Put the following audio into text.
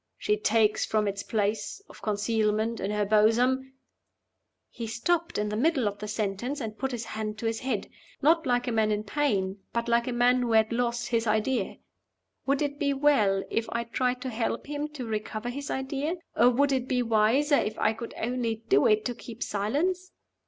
She takes from its place of concealment in her bosom " He stopped in the middle of the sentence, and put his hand to his head not like a man in pain, but like a man who had lost his idea. Would it be well if I tried to help him to recover his idea? or would it be wiser (if I could only do it) to keep silence?